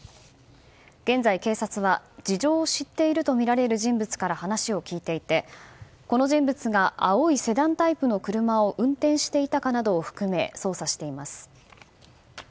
現在、警察は、事情を知っているとみられる人物から話を聞いていて、この人物が青いセダンタイプの車を運転していたかなどを含め捜査しています。